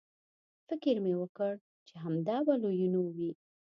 فکر مې وکړ چې همدا به لویینو وي.